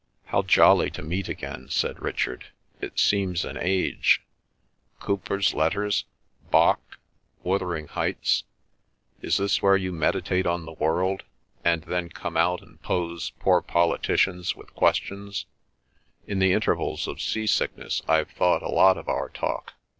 "How jolly to meet again," said Richard. "It seems an age. Cowper's Letters? ... Bach? ... Wuthering Heights? ... Is this where you meditate on the world, and then come out and pose poor politicians with questions? In the intervals of sea sickness I've thought a lot of our talk.